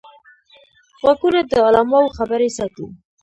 غوږونه د علماوو خبرې ساتي